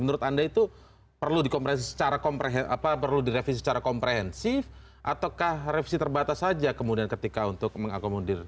menurut anda itu perlu direvisi secara komprehensif ataukah revisi terbatas saja kemudian ketika untuk mengakomodir